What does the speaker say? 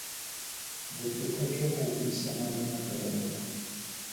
Botoka ke go buisana le ngaka ya lelapa.